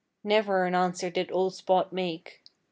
Never an answer did old Spot make.